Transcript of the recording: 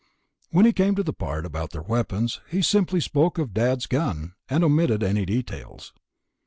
When he came to the part about their weapons, he simply spoke of "Dad's gun" and omitted any details.